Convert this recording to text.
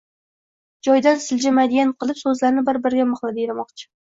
joyidan siljimaydigan qilib so‘zlarni bir-biriga mixla, deyilmoqchi.